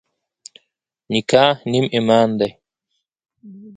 نکاح نیم ایمان دی.